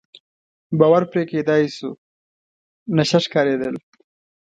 باور پرې کېدای شو، نشه ښکارېدل.